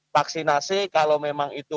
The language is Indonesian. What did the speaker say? vaksinasi kalau memang itu